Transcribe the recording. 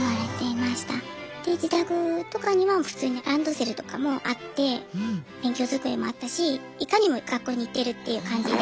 で自宅とかには普通にランドセルとかもあって勉強机もあったしいかにも学校に行っているっていう感じで。